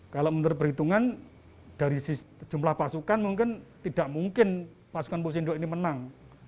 kalau menurut perhitungan dari jumlah pasukan mungkin tidak mungkin pasukan pusindo ini menang